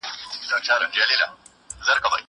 هغه وويل چي پاکوالي مهم دی!!